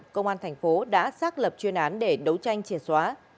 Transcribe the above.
công an tp đã xác lập chuyên án để đấu tranh triệt xóa